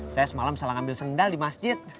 saya semalam salah ngambil sendal di masjid